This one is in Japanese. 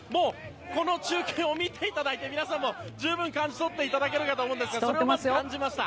この中継を見ていただいて皆さんも十分感じ取っていただけるかと思いますがそれをまず感じました。